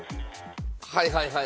はいはいはい。